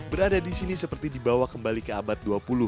berada di sini seperti dibawa kembali ke abad dua puluh